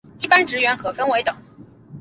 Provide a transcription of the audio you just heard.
一般职员可分为等。